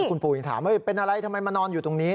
คุณปู่ยังถามเป็นอะไรทำไมมานอนอยู่ตรงนี้